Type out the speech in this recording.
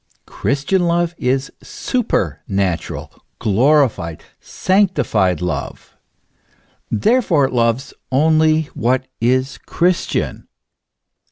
Christian love is supernatural, glorified, sanctified love; therefore it loves only what is Christian.